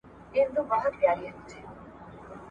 په میدان کي یې وو مړی غځېدلی !.